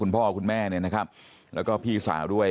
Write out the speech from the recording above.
พ่อคุณแม่เนี่ยนะครับแล้วก็พี่สาวด้วย